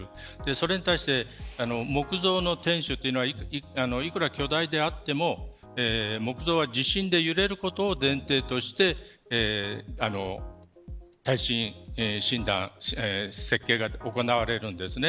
それに対して木造の天守というのはいくら巨大であっても木造は地震で揺れることを前提として耐震設計が行われるんですね。